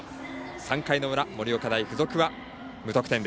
３回の裏、盛岡大付属は無得点。